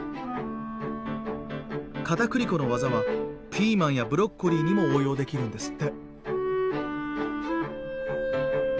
片栗粉の技はピーマンやブロッコリーにも応用できるんですって。